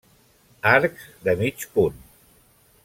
Arcs de mig punt.